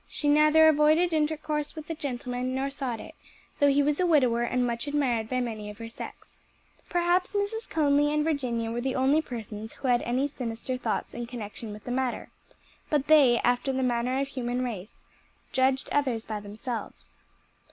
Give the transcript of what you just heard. She neither avoided intercourse with the gentleman nor sought it; though he was a widower and much admired by many of her sex. Perhaps Mrs. Conly and Virginia were the only persons who had any sinister thoughts in connection with the matter; but they, after the manner of the human race, judged others by themselves.